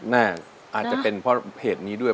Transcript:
น่าอาจจะเป็นเพราะเหตุนี้ด้วย